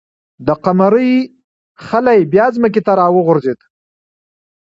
د قمرۍ خلی بیا ځمکې ته راوغورځېد.